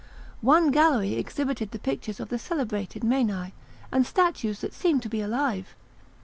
One gallery exhibited the pictures of the celebrated Mani, and statues that seemed to be alive.